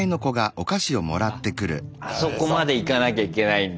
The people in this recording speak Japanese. あっあそこまでいかなきゃいけないんだ。